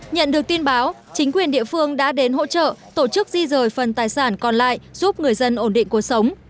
nhận được tin báo chính quyền địa phương đã đến hỗ trợ tổ chức di rời phần tài sản còn lại giúp người dân ổn định cuộc sống